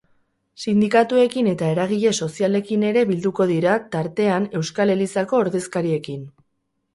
Sindikatuekin eta eragile sozialekin ere bilduko dira, tartean, euskal elizako ordezkariekin.